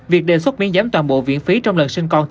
việc đề xuất miễn giảm toàn bộ viện phí trong lần sinh con